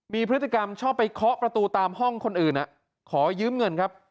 มีพฤติกรรมชอบไปเคาะประตูตามห้องคนอื่นขอยืมเงินครับ